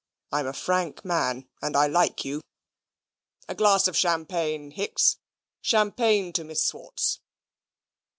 I'm a frank man, and I like you. A glass of Champagne! Hicks, Champagne to Miss Swartz."